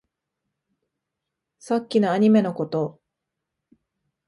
さっきのアニメのこと